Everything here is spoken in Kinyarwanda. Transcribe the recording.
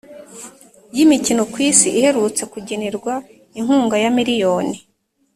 y’imikino ku Isi, iherutse kugenerwa inkunga ya miliyoni